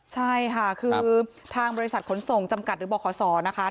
ใช่ค่ะคือทางบริษัทขนส่งจำกัดหรือบขศนะคะ